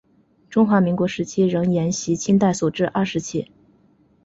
中华民国时期仍沿袭清代所置二十旗。